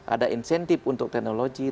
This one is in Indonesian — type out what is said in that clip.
ada insentif untuk teknologi